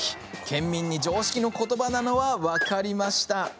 県民に常識のことばなのは分かりました。